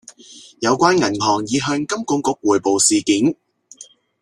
有關銀行已向金管局匯報事件